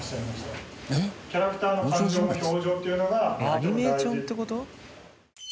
アニメーションって事？